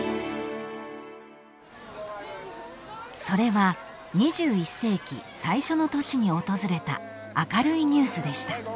［それは２１世紀最初の年に訪れた明るいニュースでした］